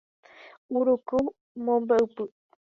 Uruku mombe'upy